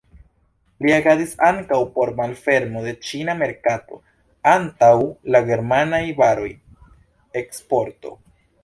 Li agadis ankaŭ por malfermo de la ĉina merkato antaŭ la germanaj varoj, eksporto.